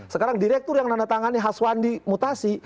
sekarang direktur yang dana tangannya haswandi mutasi